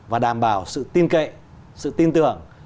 và đảm bảo sự tin kệ sự tin tưởng